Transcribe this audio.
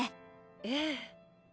ええ。